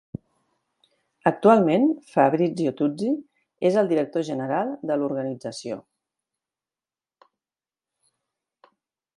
Actualment, Fabrizio Tuzi és el director general de l'organització.